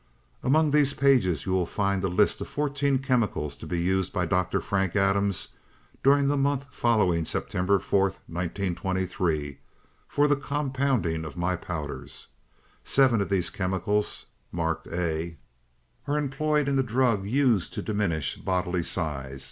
"'Among these pages you will find a list of fourteen chemicals to be used by Dr. Frank Adams during the month following September 4, 1923, for the compounding of my powders. Seven of these chemicals (marked A), are employed in the drug used to diminish bodily size.